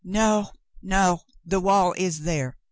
"No, no ! The wall is there.